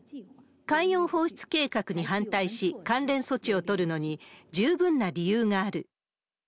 海洋放出計画に反対し、関連措置を取るのに十分な理由がある。